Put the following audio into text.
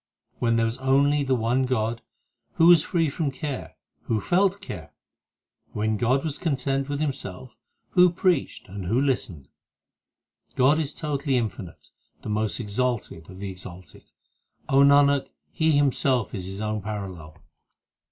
When there was only the one God, Who was free from care, who felt care ? When God was content with Himself, Who preached and who listened ? God is totally infinite, the most exalted of the exalted : O Nanak, He Himself is His own parallel.